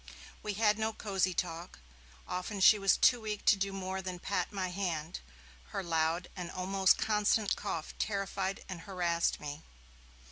We had no cosy talk; often she was too weak to do more than pat my hand; her loud and almost constant cough terrified and harassed me.